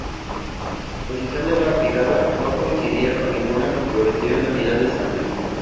La composición de la brigada no coincidía con ninguna configuración de unidad estándar.